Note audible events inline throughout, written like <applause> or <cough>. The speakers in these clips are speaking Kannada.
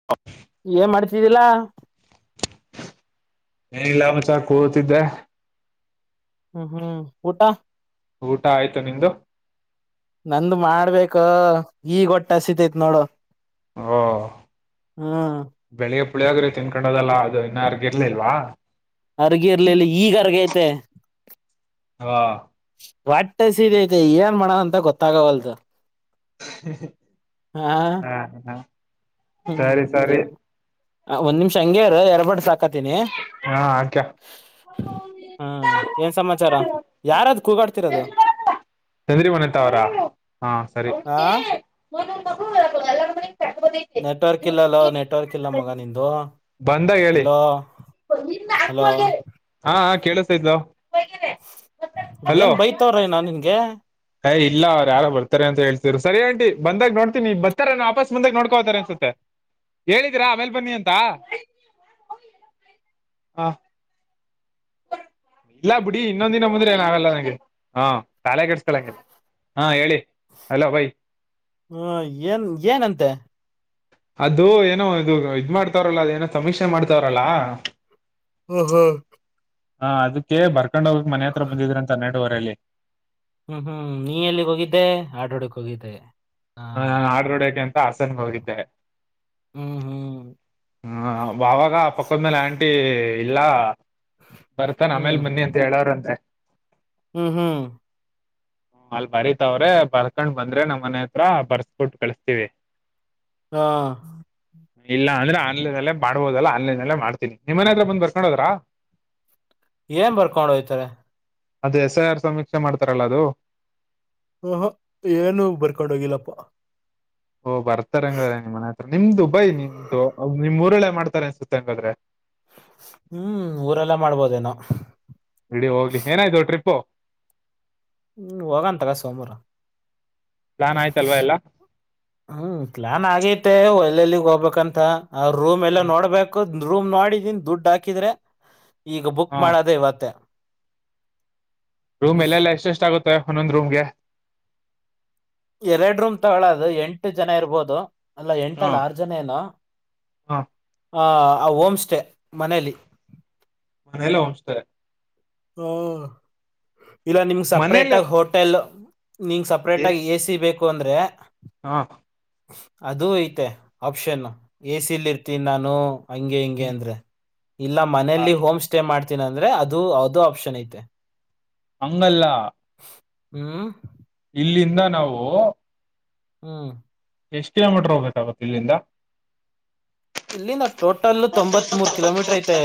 <unintelligible> ಏನ್ ಮಾಡ್ತಿದ್ದಿಲ್ಲಾ ಏನಿಲ್ಲಾ ಮಚ ಕೂತಿದ್ದೆ. ಹ್ಮ್ ಹ್ಮ್ ಊಟಾ ಊಟಾ ಆಯ್ತು ನಿಂದು. ನಂದ ಮಾಡ್ಬೇಕೋ ಈಗ್ ಹೊಟ್ಟಿ ಹಸಿತೈತ್ ನೋಡೊ ಓ ಬೆಳಿಗ್ಗೆ ಪುಳಿಯೋಗರೆ ತಿನ್ಕೊಂಡ ಹೋದಲ್ಲ ಅದು ಇನ್ನ ಅರ್ಗಿರ್ಲಿಲ್ವಾ. ಅರ್ಗಿರ್ಲಿಲ್ಲ ಈಗ ಅರ್ಗೆತೆ. ಒ ಒಟ್ಟಿ ಹಸಿತೈತೆ ಏನ್ ಮಾಡನ ಅಂತ ಗೊತ್ತಾಗವಲ್ದು ಹ ಹ ಹಾ ಹಾ ಹಾ ಹ್ಮ್ ಸರಿ ಎ ಸರಿ ಒಂದ್ ನಿಮಿಷ ಹಂಗೆ ಇರು ಎರಬಡ್ಸ್ ಹಾಕತಿನಿ ಹಾ ಹಾಕ್ಯಾ ಹಾ ಏನ್ ಸಮಾಚಾರ ಯಾರದ ಕೂಗಾಡ್ತಿರದು. ಟಗರಿ ವನಿತಾವರಾ ಹಾ ಸರಿ ಆ <unintelligible> ನೆಟ್ವರ್ಕ್ ಇಲ್ಲಲ್ಲೊ ನೆಟ್ವರ್ಕ್ ಇಲ್ಲ ಮಗ ನಿಂದು ಬಂದಾಗ ಹೇಳಿ ಹಲೋ ಹಲೋ ಹಾ ಹಾ ಕೇಳಿಸತೈತಲೋ ಏನ್ ಬೈತವ್ರೇನೋ ನಿನ್ಗೆ ಯ್ ಇಲ್ಲ ಅವ್ರ್ ಯಾರೋ ಬರ್ತಾರೆ ಅಂತ ಹೇಳ್ತಿದ್ರು ಸರಿ ಆಂಟಿ ಬಂದಾಗ ನೋಡ್ತನಿ ಈಗ ಬತ್ತರೇನೋ ವಾಪಸ್ ಮುಂದಗ ನೋಡ್ಕೋ ಹೋಯ್ತಾರ ಅನ್ಸತ್ತೆ ಹೇಳಿದೀರಾ ಆಮೇಲ್ ಬನ್ನಿ ಅಂತ ಹ ಇಲ್ಲಾ ಬಿಡಿ ಇನ್ನೊಂದ್ ದಿನ ಬಂದ್ರು ಏನಾಗಲ್ಲ ನಂಗೆ ಹಾ ತಲೆ ಕೆಡಸ್ಕಳಂಗಿಲ್ಲ ಹಂ ಹೇಳಿ ಅಲೋ ಬೈ ಹ್ಮ ಏನ್ ಏನಂತೆ ಅದು ಏನೋ ಇದು ಇದ್ ಮಾಡ್ತವಾರಲ್ಲ ಅದ ಏನೋ ಸಮೀಕ್ಷೆ ಮಾಡ್ತವರಲ್ಲಾ ಓಹೋ ಹಾ ಅದಕ್ಕೆ ಬರ್ಕೊಂಡ್ ಹೋಗಕ್ ಮನೆ ಹತ್ರ ಬಂದಿದ್ರ ಅಂತೆ ಹನ್ನೆರಡುವರೆಲ್ಲಿ ಹ್ಮ್ ಹ್ಮ್ ನೀ ಎಲ್ಲಿಗ ಹೋಗಿದ್ದೆ ಆಟೊ ಹೋಡಕ್ ಹೋಗಿದ್ದೆ ಹಾ ಆರ್ಡರ್ ಹೊಡೆಕೆ ಅಂತಾ ಹಾಸನಗ್ ಹೋಗಿದ್ದೆ ಹ್ಮ್ ಹ್ಮ್ ಹಾ ಬಾವಾಗ ಪಕ್ಕದ ಮನೆ ಆಂಟಿ ಇಲ್ಲಾ ಬರ್ತನ್ ಆಮೇಲ್ ಹ್ಮ್ ಬನ್ನಿ ಅಂತ ಹೇಳವ್ರ್ ಅಂತೆ ಹ್ಮ್ ಹ್ಮ್ ಅಲ್ಲ ಬರೀತವ್ರೆ ಬರ್ಕೊಂಡ್ ಬಂದ್ರೆ ನಮ್ಮ್ ಮನೆ ಹ ತ್ರ ಬರ್ಸ್ಬಿಟ್ಟ ಕಳಸ್ತೀವಿ ಹಾ ಇಲ್ಲಾ ಅಂದ್ರೆ ಆನ್ಲೈನಲ್ಲೆ ಮಾಡ್ಬೋದಲ್ಲ ಆನಲೈನಲ್ಲೇ ಮಾಡ್ತನಿ ನಿಮ್ಮನೆ ಹತ್ರ ಬಂದ ಬರ್ಕೊಂಡ ಹೋದ್ರಾ ಏನ್ ಬರ್ಕೊಂಡ ಹೋಯ್ತಾರೆ ಅದು ಎಸಐಆರ್ ಸಮೀಕ್ಷೆ ಮಾಡ್ತಾರಲ್ಲ ಅದು ಹಹ ಏನು ಬರ್ಕೊಂಡ ಹೋಗಿಲ್ಲಪ್ಪ ಓ ಬರ್ತಾರೆ ಹಂಗಾದ್ರೆ ನಿಮ್ಮ ಮನೆ ಹತ್ರ ನಿಮ್ದು ದುಬೈ ನಿಮ್ದು ನಿಮ್ ಊರಲ್ಲೆ ಮಾಡ್ತಾರೆ ಅನ್ಸುತ್ತ ಹಂಗಾದ್ರೆ ಹ್ಮ್ ಊರಲ್ಲೆ ಮಾಡ್ಬೋದೇನೋ ಬಿಡಿ ಹೋಗ್ಲಿ ಏನಾಯ್ತು ಟ್ರಿಪ್ಪು ಹೋಗನ ತಗ ಸೋಮವಾರ ಪ್ಲಾನ್ ಆಯತಲ್ವ ಎಲ್ಲ ಹ್ಮ್ ಪ್ಲಾನ್ ಆಗೇತೆ ಎಲ್ಲಿ ಎಲ್ಲಿಗ್ ಹೋಗ್ಬೇಕಂತ ಅವ ರೂಮ್ ಎಲ್ಲ ನೋಡ್ಬೇಕ್ ಹಾಕ ರೂಮ್ ನೋಡಿದೀನ್ ದುಡ್ಡು ಹಾಕಿದ್ರೆ ಈಗ ಬುಕ್ ಹ ಮಾಡೋದೇ ಇವತ್ತ ರೂಮ್ ಎಲ್ಲ ಎಷ್ಟ ಎಷ್ಟ ಆಗುತ್ತೆ ಒಂದೊಂದು ರೂಮ್ಗೆ ಎರಡು ರೂಮ್ ತಗೊಳ್ಳೋದು ಎಂಟು ಜನ ಇರಬಹುದು ಅಲ್ಲ ಎಂಟಲ್ಲಿ ಹ ಆರ್ ಜನ ಜನ ಏನೋ ಆ ಹೋಮ್ ಸ್ಟೇ ಮನೇಲಿ ಮನೆಯಲ್ಲ ಹೋಂ ಸ್ಟೇ ಹ ಇಲ್ಲ ನಿಮ್ಗೆ ಸಪ್ರೇಟ್ ಮನೇಲೆ ಆಗ ಹೋಟೆಲ್ ನಿಂಗ ಸಪ ಅಪ್ರೇಟ್ ಆಗಿ ಎ ಸಿ ಬೇಕು ಅಂದ್ರೆ ಹಾ ಅದು ಐತೆ ಆಪ್ಷನ್ ಎ ಸಿಲಿ ಇರ್ತೀನಿ ನಾನು ಹಂಗೆ ಹಿಂಗೆ ಹ್ಮ್ ಅಂದ್ರೆ ಇಲ್ಲ ಮನಲಿ ಹೋಮ್ ಸ್ಟೇ ಮಾಡ್ತೀನ ಅಂದ್ರೆ ಅದು ಅದೋ ಆಪ್ಷನ್ ಐತೆ ಹಂಗಲ್ಲ ಹ್ಮ್ ಇಲ್ಲಿಂದ ನಾವು ಹ್ಮ ಎಷ್ಟು ಕಿಲೋಮೀಟರ್ ಹೋಗ್ಬೇಕಾಗುತ್ತೆ ಇಲ್ಲಿಂದ ಇಲ್ಲಿಂದ ಟೋಟಲ್ ತೊಂಬತ್ ಮೂರ್ ಕಿಲೋಮೀಟರ್ ಐತೆ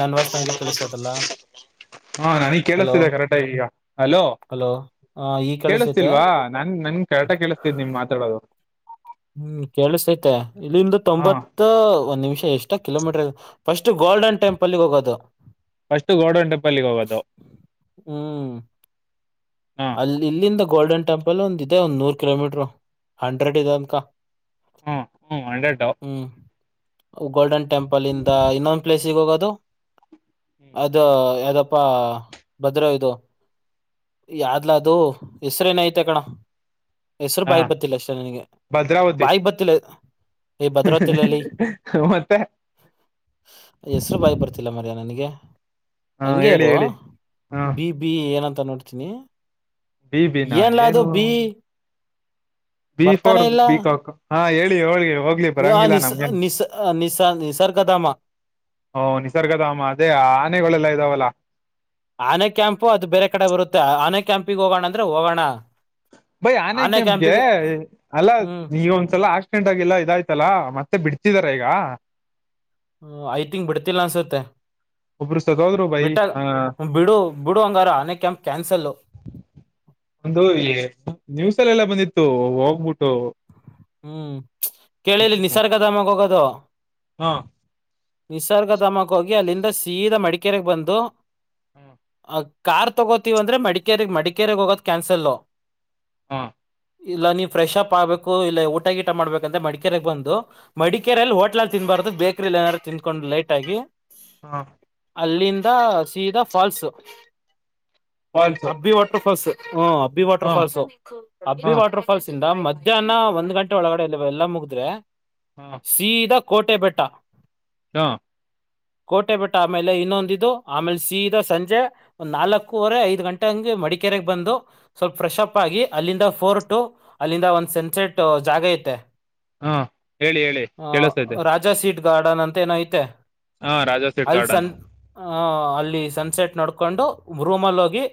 ನನ್ನ ವಾಯ್ಸ್ ನನಗೆ ಕೇಳಿಸ್ತೈತಲ್ಲಾ ಹಾ ನನೀಗ್ ಕೇಳಿಸ್ತಿದೆ ಕರೆಕ್ಟಾಗಿ ಈಗ ಹಲೋ ಹಲೋ ಹ ಈ ಕೇಳಿಸೈತೆ ಕೇಳಿಸತಿಲ್ವಾ ನಾನ್ ನನ್ ಕರೆಟ ಕೇಳಿಸ್ತಿದ್ ನಿನ್ ಮಾತಾಡೋದು ಹ್ಮ್ ಕೇಳಿಸೈತೆ ಇಲ್ಲಿಂದ ಹ ತೊಂಬತ್ ಒಂದ್ ನಿಮಿಷ ಎಷ್ಟ ಕಿಲೋಮೀಟರ್ ಇ ಫಸ್ಟ್ ಗೋಲ್ಡನ್ ಟೆಂಪಲ್ಗೆ ಹೋಗೋದು ಫಸ್ಟ್ ಗೋಲ್ಡನ್ ಟೆಂಪಲ್ ಗೆ ಹೋಗೋದು ಹ್ಮ್ ಹ ಇಲ್ಲಿಂದ ಗೋಲ್ಡನ್ ಟೆಂಪಲ್ ಒಂದ ಇದೆ ಒಂದ್ ನೂರ್ ಕಿಲೋಮೀಟರ್ ಹಂಡ್ರೆಡ್ ಇದೆ ಅನ್ಕ ಹಾ ಹ್ಞೂ ಹಂಡ್ರೆಡ್ ಹ್ಮ್ ಗೋಲ್ಡನ್ ಟೆಂಪಲ್ ಇಂದ ಇನ್ನೊಂದು ಪ್ಲೇಸ್ಗೆ ಹೋಗದು ಅ ಇದು ಯಾವ್ದಪ್ಪಾ ಭದ್ರ ಇದು ಯಾದ್ಲ ಅದು ಹೆಸ್ರೇನ ಐತೆ ಕಣ ಹೆಸರು ಹಾ ಬಾಯಿ ಬತ್ತಿಲ್ಲ ಅಷ್ಟೇ ನನಗೆ ಭದ್ರಾವತಿ ಬಾಯಿ ಬತ್ತಿಲ್ಲ ಈ ಭದ್ರಾವತಿಲಲ್ಲಿ ಮತ್ತೆ ಹೆಸರು ಬಾಯಿಗೆ ಬರ್ತಿಲ್ಲ ಮಾರಾಯ ನನಗೆ ಹ ಹಂಗೇ ಹೇಳಿ ಇರು ಹೇಳಿ ಹ ಬಿ ಬಿ ಏನಂತ ನೋಡ್ತೀನಿ ಬಿ ಬಿನ ಏನ್ ಲದು ಏನು ಬಿ ಬಿ ಬರ್ತಾನೆ ಫೋರ್ ಇಲ್ಲ ಬಿಕಾಕ್ ಹಾ ಹೇಳಿ ಹೋಳ್ಗೆ ಹೋಗ್ಲಿ ಬರಂಗಿಲ್ಲ ನಿಸ ನಮ್ಗೇನ್ ನಿಸ ನಿಸಾ ನಿಸರ್ಗ ನಿಸರ್ಗ ಧಾಮ ಓ ನಿಸರ್ಗದ ಅದೇ ಆನೆಗಳೆಲ್ಲ ಇದಾವಲ್ಲಾ ಆನೆ ಕ್ಯಾಂಪು ಅದು ಬೇರೆ ಕಡೆ ಬರುತ್ತೆ ಆನೆ ಕ್ಯಾಂಪಿಗೆ ಹೋಗಣ ಅಂದ್ರೆ ಹೋಗೋಣ ಬೈ ಆನೆ ಕ್ಯಾಂಪ್ ಗೇ ಅಲ್ಲ ಹ್ಮ್ ನೀಗ ಒಂದ್ಸಲ ಅಷ್ಟ ಆಕ್ಸಿಡೆಂಟ್ ಆಗಿ ಇದಾಯ್ತಲ್ಲಾ ಮತ್ತೆ ಬಿಡ್ತಿದಿದ್ದಾರೆ ಈಗ ಹ ಐತಿ ತಿಂಕ್ ಬಿಡ್ತಿಲ್ಲ ಅನ್ಸುತ್ತೆ ಒಬ್ರು ಸದೋದ್ರು ಬೈ ಬಿಟ ಆ ಹ ಬಿಡು ಬಿಡು ಹಂಗಾರ ಆನೆ ಕ್ಯಾಂಪ್ ಕ್ಯಾನ್ಸಲ್ ಒಂದು ಈ ನ್ಯೂಸಲ್ಲ ಎಲ್ಲ ಬಂದಿತ್ತು ಹೋಗ್ಬಿಟ್ಟು ಹ್ಮ್ ಕೇಳಿಲ್ಲಿ ಹ್ಮ್ ನಿಸರ್ಗ ಧಾಮ ಗೇ ಹೋಗದು ಹಾ ನಿಸರ್ಗಧಾಮಗೆ ಹೋಗಿ ಅಲ್ಲಿಂದ ಸೀದ ಮಡಿಕೇರೆಗೆ ಬಂದು ಹ್ಮ ಕಾರ್ ತಗೋತೀವ ಅಂದ್ರೆ ಮಡಿಕೇ ಮಡಿಕೇರಿಗೆಗ್ ಹೋಗೋದ ಕ್ಯಾನ್ಸಲ್. ಹಾ ಇಲ್ಲ ನೀವು ಫ್ರೆಶ್ಪ್ ಆಗಬೇಕು ಇಲ್ಲ ಊಟಗೀಟ ಮಾಡ್ಬೇಕಂತ ಮಡಿಕೇರೆಗೆ ಬಂದು ಮಡಿಕೇರಿಲ್ಲಿ ಹೋಟ್ಲಲ್ ಅಲ್ಲಿ ತಿನ್ಬಾರ್ದು ಬೇಕ್ರಿಲ್ಲಿ ಏನಾರು ತಿಂದ್ಕೊಂಡು ಲೈಟ್ ಆಗಿ. ಹಾ ಅಲ್ಲಿಂದ ಸೀದಾ falls falls Abbi water falls. ಹ್ಮ ಅಬ್ಬಿ ವಾಟರ್ ಹಾ ಫಾಲ್ಸ್ ಅಬ್ಬಿ ಹಾ ವಾಟರ್ ಫಾಲ್ಸ್ ಇಂದ ಮಧ್ಯಾಹ್ನ ಒಂದ ಒಂದ್ ಗಂಟ ಒಳಡೆ ಇಲ್ಲ ಎಲ್ಲ ಮುಗಿದ್ರೆ. ಹಾ ಸೀದ ಕೋಟೆ ಬೆಟ್ಟ. ಹಾ ಕೋಟೆ ಬೆಟ್ಟ ಆಮೇಲೆ ಇನ್ನೊಂದಿದು ಆಮೇಲೆ ಸೀದ ಸಂಜೆ ಒಂದ್ ನಾಲ್ಕೂುವರೆ ಐದ ಗಂಟೆ ಹಂಗೆ ಮಡಿಕೇರೆಗ್ ಬಂದು. ಸ್ವಲ್ಪ ಫ್ರೆಶ್ ಅಪ್ ಆಗಿ ಅಲ್ಲಿಂದ ಫೋರ್ ಟು ಅಲ್ಲಿಂದ ಒಂದು ಸೆನ್ಸೆ ಟ್ಟ ಜಾಗ ಐಯ್ತೆ ಹಾ ಹೇಳಿ ಹೇಳಿ ಹಾ ಕೇಳಿಸ್ತೈತೆ ರಾತ್ರಿ ಸೀಟ್ ಗಾರ್ಡನ್ ಅಂತ ಏನ ಐತೆ ಹಾ ರಾಜಾ ಸೀಟ್ ಅಲ್ ಗಾರ್ಡನ್ ಸನ್ ಅ ಅಲ್ಲಿ ಸನ್ಸೆಟ್ ನೋಡ್ಕೊಂಡು ರೂಮಲ್ಲಿ ಹೋಗಿ.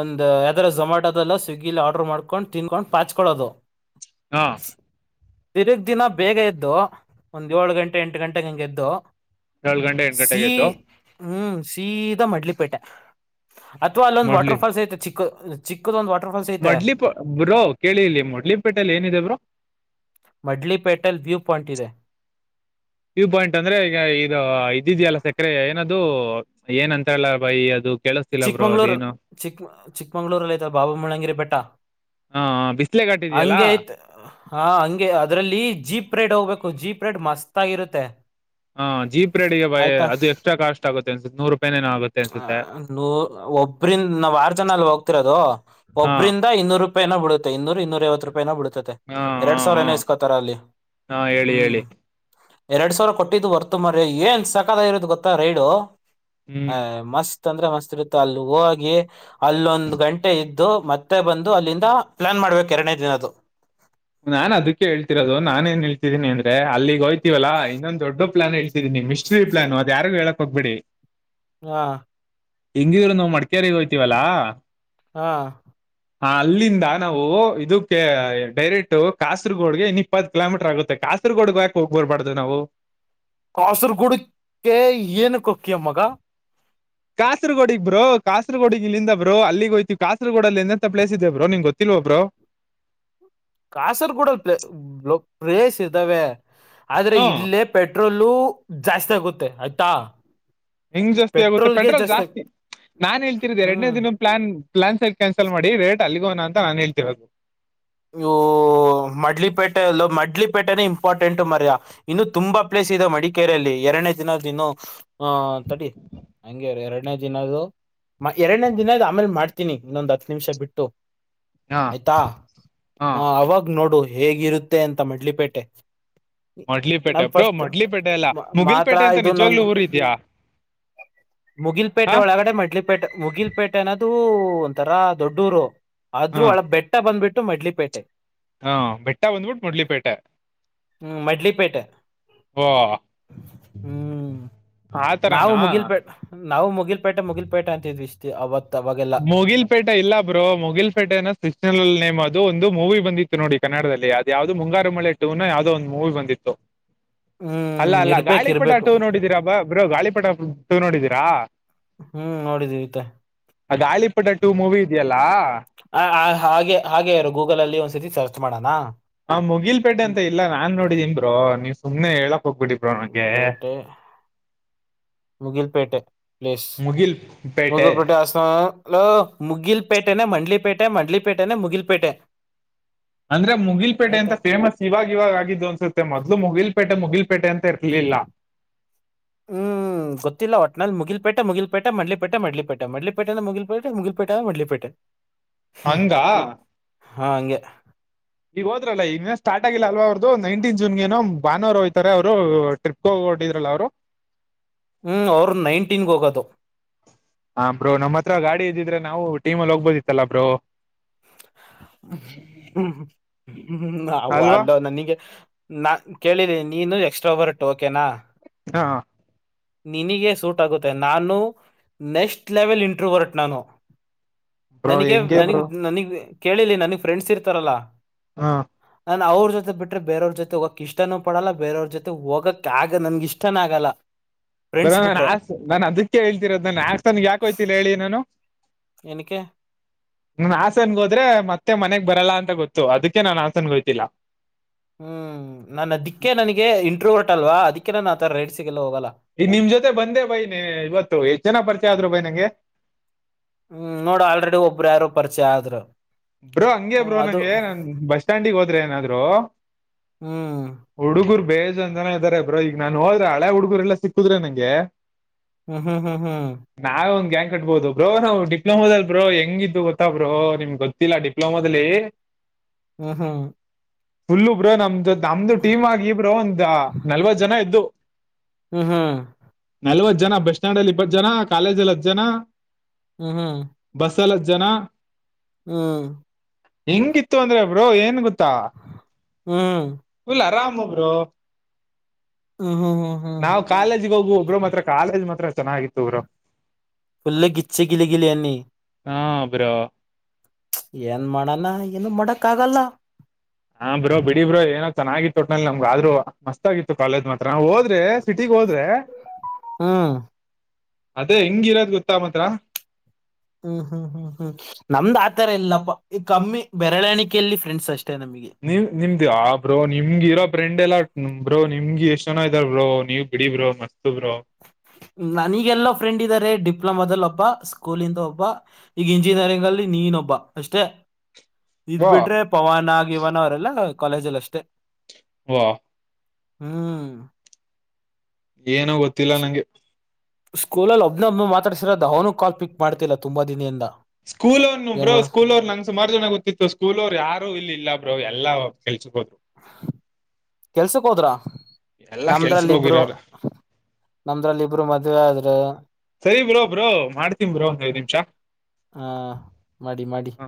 ಒಂದ ಯಾವದಾರ ಜೊಮ್ಯಾಟೋದಲ್ಲ ಸ್ವಿಗ್ಗಿಲಿ ಆರ್ಡರ್ ಮಾಡ್ಕೊಂಡು ತಿನ್ಕೊಂಡು ಪಾಚ್ಕೊಳ್ಳಳೋದು. ಹಾ ತಿರ್ಗ್ ದಿನ ಬೇಗ ಎದ್ದು ಒಂದ್ ಏಳು ಗಂಟೆ ಎಂಟು ಗಂಟೆಗೆ ಇಂಗ್ ಎದ್ದು. ಏಳ್ ಗಂಟೆ ಎಂಟು ಸೀ ಗಂಟೆಗೆ ಎದ್ದು ಹ್ಮ್ ಸೀದಾ ಮಡ್ಲಿಪೇಟೆ. ಅಥವಾ ಅಲ್ಲೊಂದ್ ಮೊಡ್ಲಿ ವಾಟರ್ ಫಾಲ್ಸ್ ಐತೆ ಚಿಕ್ಕ ಚಿಕ್ಕದೊ ಒಂದು ವಾಟರ್ ಫಾಲ್ಸ್ ಐತೆ. ಮೊಡ್ಲಿ ಬ್ರೋ ಕೇಳಿ ಇಲ್ಲಿ ಮುಡ್ಲಿಪೇಟೆಯಲ್ಲಿ ಏನಿದೆ ಬ್ರೋ. ಮಡ್ಲಿಪೇಟೆಲ್ ವ್ಯೂ ಪಾಯಿಂಟ್ ಇದೆ. ವ್ಯೂ ಪಾಯಿಂಟ್ ಅಂದ್ರೆ ಈಗ ಇದು ಇದಿದ್ಯಲ್ಲ ಸಕ್ಕರೆ ಏನದು ಏನಂತರಲ್ಲ ಬೈ ಅದು. ಕೇಳಿಸ್ತಿಲ್ಲ ಬ್ರೋ ಚಿಕ್ಕಮಂಗ್ಳೂರು ಅದೇನು ಚಿಕ್ ಚಿಕ್ಕಮಂಗ್ಳೂರಲ್ಲಿ ಐತ ಬಾಬಾ ಮುಳ್ಳಂಗಿರಿ ಬೆಟ್ಟ. ಹಾ ಬಿಸಲೆ ಗಾಟ್ಟಿದೆಯಲ್ಲಾ. ಹಂಗೆ ಐತ್ ಹಾ ಹಂಗೆ ಅದ್ರಲ್ಲಿ ಜೀಪ್ ರೇಟ್ ಹೋಗ್ಬೇಕು ಜೀಪ್ ರೇಟ್ ಮಸ್ತ್ ಆಗಿರುತ್ತೆ. ಹಾ ಜೀಪ್ ರೇಡಿಗೆ ಬಾಯ ಆಯ್ತಾ ಅದು ಎಷ್ಟ್ರ ಕಾಸ್ಟ್ ಆಗುತ್ತೆ ಅನ್ನ್ಸುತ್ತೆ ನೂರು ರೂಪಾಯಿ ಏನೋ ಆಗುತ್ತೆ ಅನ್ಸುತ್ತೆ ಹ ಒಬ್ರಿಂದ ನಾವ್ ಆರು ಜನಲ್ಲಿ ಹೋಗ್ತಿರೋದು ಹಾ ಒಬ್ರಂದ ಇನ್ನೂರು ರಪಾಯ ಏನೂ ಬೀಳುತ್ತೆ ಇನ್ನೂರು ಇನ್ನೂರು ಐವತ್ತು ರೂಪಿಯ ಏನೂ ಬೀಳ್ತೀಯ್ತೆ. ಹಾ ಎರಡ್ ಹಾ ಸಾವಿರ ಹಾ ಏನಸ್ಕೋತಾರ ಅಲ್ಲಿ ಹಾ ಹೇಳಿ ಹ್ಮ್. ಹೇಳಿ ಎರಡು ಸಾವಿರ ಕೊಟ್ಟಿದ್ದು ವರ್ತು ಮರ್ಯಾ ಏನ್ ಸಾಕದ ಇರೋದು ಗೊತ್ತಾ ರೈಡು. ಅ ಹ್ಮ್ ಮಸ್ತ್ ಅಂದ್ರೆ ಮಸ್ತ್ ಇರುತ್ತೆ ಅಲ್ಲಿ ಹೋಗಿ ಅಲ್ಲೊಂದುಗಂಟೆ ಇದ ಇದು ಮತ್ತೆ ಬಂದು ಅಲ್ಲಿಂದ ಪ್ಲಾನ್ ಮಾಡ್ಬೇಕು ಎರಡನೇ ದಿನದು. ನಾನ್ ಅದಕ್ಕೆ ಹೇಳ್ತಿರೋದು ನಾನ ಏನ್ ಹಳ್ತೀನಿ ಅಂದ್ರೆ ಅಲ್ಲಿ ಹೋಯ್ತವಲ್ಲ ಇನ್ನೊಂದು ದೊಡ್ ಪ್ಲಾನ್ ಹಳ್ತೀ ಇದು ನಿಮ ಮಿಸ್ಟ್ರ ಪ್ಲಾನ್ ಅದು ಯಾರಿಗೂ ಹೇಳಕ್ ಹೋಗಬೇಡಿ. ಹಾ ಹೆಂಗಿದ್ರು ನಾವು ಮಡ್ಕೇರಿ ಹೋಗ್ತೀವಲ್ಲಾ. ಹಾ ಹಾ ಅಲ್ಲಿಂದ ನಾವು ಇದಕ್ಕೆ ಡೈರೆಕ್ಟ್ ಕಾಸರ್ಗೋಡ್ಗೆ ಇಪ್ಪತ್ತು ಕಿಲೋಮೀಟರ್ ಆಗುತ್ತೆ ಕಾಸರ್ಗೋಡ್ ಯಾಕ ಹೋಗ್ ಬರ್ಬಾರ್ದು ನಾವು. ಕಾಸರಗೂಡಕ್ಕೆ ಏನಕ್ಕೆ ಹೊಕ್ಕಿಯ ಮಗ. ಕಾಸರಗೋಡಗ್ ಬ್ರೋ ಕಾಸರಗೋಡ ಇಲ್ಲಿಂದ ಬ್ರೋ ಅಲ್ಲಿಗೆ ಹೋಯಿತೀವಿ ಕಾಸರಗೋಡಲ್ಲಿ ಎಂತ ಪ್ಲೇಸ್ ಇದೆ ಬ್ರೋ ನಿನಗ ಗೊತ್ತಿಲ್ವ ಬ್ರೋ. ಕಾಸರ್ಗೂಡಲ್ಲಿ ಬ್ರೋ ಪ್ಲೇಸ್ ಇದ್ದಾವೆ ಆದ್ರೆ ಹಾ ಇಲ್ಲೇ ಪೆಟ್ರೋಲು ಜಾಸ್ತಿ ಆಗುತ್ತೆ ಆಯ್ತಾ. ಹೆಂಗ್ ಜಾಸ್ತಿ ಆಗುತ್ತೆ ಪೆಟ್ರೋಲ್ಗೆ ಪೆಟ್ರೋಲ್ ಆಗ್ ಜಾಸ್ತಿ ನಾನ್ ಹೇಳ್ತರಿದ್ದ ಎರಡನೇ ಹ್ಮ್ ದಿನ ಪ್ಲಾನ್ ಸಹ ಕ್ಯಾನ್ಸಲ್ ಮಾಡಿ ರೇಟ್ ಅಲ್ಲಿ ಹೋಗಣ ಅಂತ ನಾನ ಹೇಳ್ತಿರೋದು ಓ ಮಡ್ಲಿಪೇಟೆನೆ ಇಂಪಾರ್ಟೆಂಟ್ ಮಾರಾಯ ಇನ್ನು ತುಂಬಾ ಪ್ಲೇಸ್ ಇದೆ ಮಡಿಕೇರಿಲ್ಲಿ ಎರಡನೇ ದಿನದ ಇನ್ನು ಹಾ ತಡಿ ಹಂಗೆ ಎರಡು ಎರಡನೇ ದಿನದು ಎರಡನೇ ದಿನದ ಆಮೇಲೆ ಮಾಡ್ತೀನಿ ಇನ್ನೊಂದ್ ಹತ್ ನಿಮಿಷ ಬಿಟ್ಟು ಹಾ ಆಯ್ತಾ ಹಾ ಹ ಅವಾಗ ನೋಡು ಹೇಗಿರುತ್ತೆ ಅಂತ ಮಡ್ಲಿಪೇಟೆ ಮೊಡ್ಲಿಪೇಟೆ ನನ್ ಬ್ರೋ ಫಸ್ಟ್ ಮೊಡ್ಲಿಪೇಟೆ ಅಲ್ಲ ಮಾತ್ರ ಮುಗಿಲ್ಪೇಟೆ ಅಂತ ಇದು ನನ್ ನಿಜವಾಗ್ಲೂ ಊರ್ ಇದ್ಯಾ ಹಾ ಮುಗಿಲಪೇಟೆ ಒಳಗಡೆ ಮಡ್ಲಿ ಮುಗಿಲ್ಪೇಟೆ ಅನ್ನೋದು ಒಂತರ ದೊಡ್ಡ ಊರು ಆದ್ರ ಹಾ ಒಳಗ ಬೆಟ್ಟ ಬಂದ್ಬಿಟ್ಟು ಮಡ್ಲಿಪೇಟೆ ಹಾ ಬೆಟ್ಟ ಬಂದ್ಬಿಟ್ಟು ಮಡ್ಲಿಪೇಟೆ ಹ್ಮ್ ಮಡ್ಲಿಪೇಟೆ ಓ ಹ್ಮ್ ನಾವು ಆತರನಾ ಮುಗಿಲ್ಪೇಟ ನಾವು ಮುಗಿಲ್ಪೇಟೆ ಮುಗಿಲ್ಪೇಟೆ ಅಂತಿದ್ವಿ ಅವತ್ ಅವಾಗೆಲ್ಲಾ ಮುಗಿಲಪೇಟೆ ಇಲ್ಲ ಬ್ರೋ ಮುಗಿಲಪೇಟೆ ಅನ್ನೋದು ಸ್ಟನಲ್ಲಿ ನೇಮ ಅದು ಒಂದು ಮೂವಿ ಬಂದಿತ್ತು ನೋಡಿ ಕನ್ನಡದಲ್ಲಿ ಅದು ಯಾವದು ಮುಂಗಾರು ಮಳೆ ಟೂನ ಯಾವ್ದೋ ಒಂದ್ ಮೂವಿ ಬಂದಿತ್ತು ಹ್ಮ್ ಅಲ್ಲ ಅಲ್ಲ ಇರ್ಬೇಕ್ ಗಾಳಿಪಟ ಇರ್ಬೇಕು ಟೂ ನೋಡಿದೀರಾಬ್ಬಾ ಬ್ರೋ ಗಾಳಿಪಟ ಟೂ ನೋಡಿದೀರಾ ಹ್ಮ್ ನೋಡಿದೀವಿ ಮತ್ತೆ ಆ ಗಾಳಿಪಟ ಟೂ ಮೂವಿ ಇದೆಯಲ್ಲಾ ಹಾಗೆ ಇರು ಗೂಗಲ ಅಲ್ಲಿ ಒಂದ್ಸತಿ ಸರ್ಚ್ ಮಾಡೋಣ ನಾ ಮುಗಿಲಪೇಟೆ ಅಂತ ಇಲ್ಲ ನಾನ್ ನೋಡಿದಿನ್ ಬ್ರೋ ನೀವು ಸುಮ್ನೆ ಹೇಳಕ್ ಹೋಗಬಿಡಿ ಪೇಟೆ ಮುಗಿಲ್ ಪೇಟೆ ಪ್ಲೇಸ್ ಮುಗಿಲ್ ಪೇಟೆ ಲೋ ಮುಗಿಲ್ ಪೇಟೆನೆ ಮಡ್ಲಿಪೇಟೆ ಮಡ್ಲಿ ಪೇಟೆನೆ ಮುಗಿಲ್ಪೇಟೆ ಅಂದ್ರೆ ಮುಗಿಲ್ಪೇಟೆಂತ ಆಯ್ತಾ ಫೇಮಸ್ ಇವಾಗ ಇವಾಗ ಆಗಿದ್ದು ಅನ್ಸುತ್ತೆ ಮೊದ್ಲು ಮುಗಿಲಪೇಟೆ ಮುಗಿಲಪೇಟೆ ಅಂತ ಇರಲಿಲ್ಲ ಹ್ಮ್ ಹ್ಮ ಗೊತ್ತಿಲ್ಲ ಒಟ್ನಲ್ಲಿ ಮುಗಿಲ್ಪೇಟೆ ಮುಗಿಲ್ಪೇಟೆ ಮಡ್ಲಿಪೇಟೆ ಮಡ್ಲಿಪೇಟೆ ಮಡ್ಲಿಪೇಟೆ ಅಂದ್ರೆ ಮುಗಿಲ್ಪೇಟೆ ಮುಗಿಲ್ಪೇಟೆ ಅಂದ್ರೆ ಮಡ್ಲಿಪೇಟೆ <unintelligible> <inaudible> ಹಂಗ ಹಾಂ ಹಂಗೆ ಈಗ ಹೋದ್ರಲ್ಲ ಈಗ ಸ್ಟಾರ್ಟ್ ಆಗಿಲ್ಲ ಅಲ್ವ ಅವ್ರ್ದು ನೈನ್ಟೀನ್ ಜೂನ್ ಏನೋ ಭಾನುವಾರ ಹೋಯ್ತಾರೆ ಅವರು ಟ್ರಿಪ್ ಶೋ ಗ ಹೊರಟಿದ್ರಲ್ಲ ಅವರು ಹ್ಮ್ ಅವರು ನೈನಟಿನ್ ಗೆ ಹೋಗದು ಹಾ ಬ್ರೋ ನಮ್ಮ ಹತ್ರ ಗಾಡಿ ಇದ್ದಿದ್ರೆ ನಾವು ಟೀಮ ಅಲ್ಲಿ ಹೋಗ್ಬೋದಿತ್ತಲ್ಲ ಬ್ರೋ ಹ್ಮ ಅಲ್ವಾ ಅಲ್ಲ ನನಗೆ ನಾ ಕೇಳಿದ್ದೀನಿ ನೀನು ಎಕ್ಸ್ಟ್ರಾ ಬರ ಓಕೆನಾ ಹಾ ನಿನಗೆ ಸೂಟ್ ಆಗುತ್ತೆ ನಾನು ನೆಕ್ಸ್ಟ್ ಲೆವೆಲ್ ಇಂಟ್ರ ಬರಟ್ ನಾನು ಬ್ರೋ ಹೆಂಗೆ ಬ್ರೋ ಕೇಳ ಇಲ್ಲ ನನಗ್ ಫ್ರೆಂಡ್ಸ್ ಇರ್ತಾರಲ್ಲಾ ಹಾಂ ನಾನ್ ಅವ್ರ ಜೊತೆ ಬಿಟ್ರೆ ಬೇರವ್ರ ಜೊತೆ ಹೋಗಕ್ ಇಷ್ಟನೂ ಪಡಲ್ಲ ಬೇರವ್ರ ಜೊತೆ ಹೋಗಕ್ ನನ್ಗ ಇಷ್ಟನ ಆಗಲ್ಲ <inaudible> <unintelligible> ಬಿಟ್ರೆ ಆ ನಾನ್ ಅದಕ್ಕೆ ಹೇಳ್ತಿರೋದು ನಾನು ಹಾಸನ್ ಗೇ ಯಾಕೋಯ್ತಿಲ್ಲ ಹೇಳಿ ನಾನು. ಎನಕ್ಕೆ ನನ್ ಹಾಸನ್ ಗ್ರೂಪ್ ಗೆ ಹೋದ್ರೆ ಮತ್ತೆ ಮನೆಗ್ ಬರಲ್ಲಾ ಅಂತ ಗೊತ್ತು ಅದಕ್ಕೆ ನಾನ್ ಹಾಸನ್ ಒಯ್ತಿಲ್ಲ. ಹ್ಮ್ ನಾನು ಅದಿಕ್ಕೆ ನನಗೆ ಇಂಟ್ರವೋರ್ಟ್ ಅಲ್ವ್ ಅದಕ್ಕೆ ನಾನು ಆಥರ ರೈಡ್ಸ್ ಗೆಲ್ಲ ಹೋಗಲ್ಲ. ಈಗ್ ನಿಮ್ ಜೊತೆ ಬಂದೆ ಬೈ ಇವತ್ತು ಎಸ್ಟ್ ಜನ ಪರಿಚಯ ಆದ್ರು ಬೈ ನಂಗೆ ಹ್ಮ್ ನೋಡು ಆಲ್ರೆಡಿ ಒಬ್ರು ಯಾರೊ ಪರಿಚಯ ಆದ್ರು. ಬ್ರೋ ಹಂಗೆ ಹ್ಮ್, ಬ್ರೋ ಅದು ನಂಗೆ ನಾನ್ ಬಸ್ ಸ್ಟ್ಯಾಂಡಿಗೆ ಹೋದ್ರೆ ಏನಾದ್ರು. ಹ್ಮ್ ಹುಡುಗುರು ಬೇಜಾನ್ ಜನ ಇದಾರೆ ಬ್ರೋ ಈಗ ನಾನ್ ಹೋದ್ರೆ ಹಳೆ ಹುಡಗುರ್ ಎಲ್ಲ ಸಿಕ್ಕುದ್ರೆ ನಂಗೆ ಹ್ಮ ಹ್ಮ್ ಹ್ಮ್ ಹ್ಮ್ ನಾವ್ ಒಂದ್ ಗ್ಯಾಂಗ್ ಕಟ್ಬೋದು ಬ್ರೋ ನಾವು ಡಿಪ್ಲೊಮೊದ್ಲಲಿ ಬ್ರೋ ಹೆಂಗಿದ್ವಿ ಗೊತ್ತ ಬ್ರೋ ನಿಮ್ಗೆ ಗೊತ್ತ ಗೊತ್ತಿಲ್ಲ ಡಿಪ್ಲೋಮಾದಲ್ಲಿ ಹಾ ಹಾ ಫುಲ್ ಬ್ರೋ ನಮ್ದ ನಮ್ದು ಟೀಮ್ ಆಗಿ ಬ್ರೊ ಒಂದ ನಲ್ವತ್ ಜನ ಇದ್ದು. ಹ್ಮ್ ಹ್ಮ್ ನಲ್ವತ್ ಜನ ಬಸ್ ಸ್ಟ್ಯಾಂಡ್ ಅಲ್ಲಿ ಇಪ್ಪತ್ತು ಜನ ಕಾಲೇಜಲ್ಲಿ ಹತ್ತು್ ಜನ. ಹ್ಮ್ ಹ್ಮ ಬಸ್ಸಲ್ ಹತ್ತ ಜನ ಹ್ಮ ಹಿಂಗಿತ್ತು ಅಂದ್ರೆ ಬ್ರೋ ಏನ್ ಗೊತ್ತಾ ಹ್ಮ್ ಫುಲ್ ಆರಾಮು ಬ್ರೋ ಹ್ಮ್ ಹ್ಮ್ ಹ್ಮ್ ನಾವು ಕಾಲೇಜ್ಗೆ ಹೋಗುವ ಒಬ್ಬರು ಮಾತ್ರ ಕಾಲೇಜ್ ಮಾತ್ರ ಚೆನ್ನಾಗಿತ್ತು ಬ್ರೋ. ಎಲ್ಲ ಗಿಚ್ಚ್ ಗಿಲಿಗಿಲಿ ಅನ್ನಿ. ಹ್ಮ್ ಬ್ರೊ ಏನ್ ಮಾಡಣ ಏನು ಮಾಡಕ್ ಆಗಲ್ಲ. ಹಾ ಬ್ರೋ ಬಿಡಿ ಬ್ರೋ ಏನೋ ಚೆನ್ನಾಗಿತ್ತು ಒಟ್ನಲ್ಲಿ ನಮ್ಗ ಆದ್ರೂ ಮಸ್ತ್ ಆಗಿತ್ತು ಕಾಲೇಜ್ ಮಾತ್ರ ನಾ ಹೋದ್ರೆ ಸಿಟಿಗ್ ಹೋದ್ರೆ ಹ್ಮ್ ಅದೇ ಹೆಂಗಿರೋದ್ ಗೊತ್ತಾ ಮಾತ್ರ. ಹ್ಮ್ ಹ್ಮ್ ಹ್ಮ್ ಹ್ಮ್ ನಮ್ದ್ ಆ ತರ ಇಲ್ಲಪ್ಪ ಕಮ್ಮಿ ಬೆರಳೆಣಿಕೆಯಲ್ಲಿ ಫ್ರೆಂಡ್ಸ್ ಅಷ್ಟೇ ನಮಗೆ. ನೀವು ನಿಮ್ದು ಆ ಬ್ರೋ ನಿಮ್ಗೆ ಇರೋ ಫ್ರೆಂಡ್ ಎಲ್ಲ ಬ್ರೋ ನಿಮ್ಗೆ ಎಷ್ಟು ಜನ ಇದ್ದಾರೆ ಬ್ರೋ ನೀವು ಬಿಡಿ ಬ್ರೋ ಮಸ್ತ್. <unintelligible> ನನೀಗೆಲ್ಲೊ ಫ್ರೆಂಡ್ ಇದ್ದಾರೆ ಡಿಪ್ಲೊಮಾದಲ್ಲಿ ಒಬ್ಬ ಸ್ಕೂಲಿಂದ ಒಬ್ಬ ಈಗ ಇಂಜಿನಿಯರಿಂಗ್ ಅಲ್ಲಿ ನೀನೊಬ್ಬ ಅಷ್ಟೇ. ಇದ್ ಬ್ರೋ ಬಿಟ್ರೆ ಪವಾನ ಗಿವಾನ ಅವರೆಲ್ಲ ಕಾಲೇಜಲ್ಲಿ ಅಷ್ಟೆ. ವಾ ಹ್ಮ್ ಏನೋ ಗೊತ್ತಿಲ್ಲ ನಂಗೆ. ಸ್ಕೂಲಲ್ಲಿ ಒಬ್ನೇ ಒಬ್ನ ಮಾತಾಡಿಸಿರೋದು ಅವನು ಕಾಲ್ ಪಿಕ್ ಮಾಡ್ತಿಲ್ಲ ತುಂಬ ದಿನದಿಂದ. ಸ್ಕೂಲ್ ಅವ್ನು ಬ್ರೋ ಸ್ಕೂಲ್ ಅವ್ರು ನಂಗ್ ಸುಾಮಾರ್ ಜನ ಗೊತ್ತಿತ್ತು. ಸ್ಕೂಲ್ ಅವ್ರು ಯಾರು ಇಲ್ಲಿ ಇಲ್ಲ ಬ್ರೊ ಎಲ್ಲಾ ಕೆಲ್ಸಕ್ ಹೋದ್ರು. ಕೆಲ್ಸಕ್ ಹೋದ್ರ ಎಲ್ಲಾ ಕೆಲ್ಸಕ್ ನಮ್ದ್ರಲ್ಲಿಬ್ರು ಹೋಗಿರೋರು ನಂದ್ರಲ್ಲಿ ಇಬ್ರು ಮದುವೆ ಆದ್ರು. ಸರಿ ಬ್ರೋ ಬ್ರೋ ಮಾಡ್ತೀನಿ ಬ್ರೋ ಒಂದ್ ಐದ್ ನಿಮಿಷ ಹಾ ಮಾಡಿ ಮಾಡಿ ಹಾ